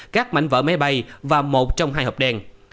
các mảnh vỡ máy bay và một trong hai hộp đen